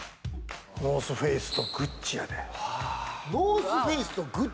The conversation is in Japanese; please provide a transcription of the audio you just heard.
ノースフェイスとグッチやで。